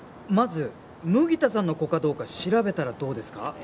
まず麦田さんの子かどうか調べたらどうですか？